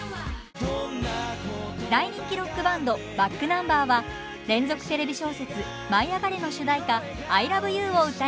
大人気ロックバンドｂａｃｋｎｕｍｂｅｒは連続テレビ小説「舞いあがれ！」の主題歌「アイラブユー」を歌います。